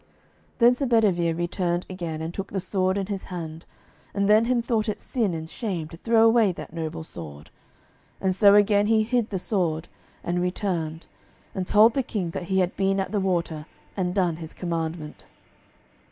Then Sir Bedivere returned again, and took the sword in his hand; and then him thought it sin and shame to throw away that noble sword. And so again he hid the sword, and returned, and told the King that he had been at the water, and done his commandment.